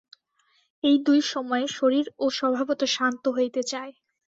এই দুই সময়ে শরীরও স্বভাবত শান্ত হইতে চায়।